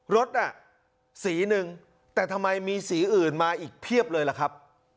รถน่ะสีหนึ่งแต่ทำไมมีสีอื่นมาอีกเพียบเลยล่ะครับ